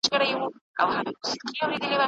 دا چي هره ورځ وروکېږي دلته زړونه